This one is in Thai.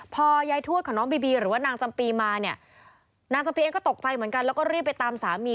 พอยายทวดของน้องบีบีหรือว่านางจำปีมาเนี่ยนางจำปีเองก็ตกใจเหมือนกันแล้วก็รีบไปตามสามี